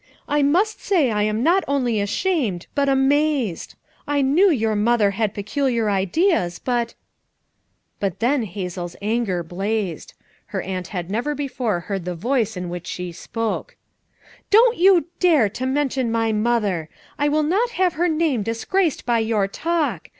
I must say I am not only ashamed but amazed. I knew your mother had peculiar ideas, but —" But then Hazel's anger blazed. Her aunt had never before heard the voice in which she spoke. " Don't you dare to mention my mother! I will not have her name disgraced by your talk.